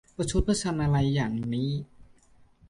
ประชดประชันอะไรอย่างนี้ !